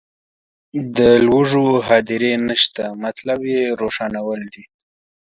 د لوږو هدیرې نشته مطلب یې روښانول دي.